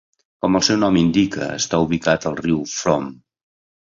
Com el seu nom indica, està ubicat al riu Frome.